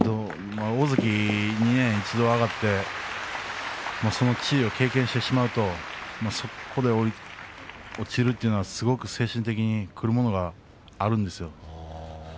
大関に一度上がってその地位を経験してしまいますとそこから落ちるというのは精神的にくるものがあるんですね。